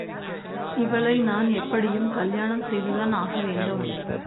இவளை நான் எப்படியும் கல்யாணம் செய்துதான் ஆகவேண்டும்.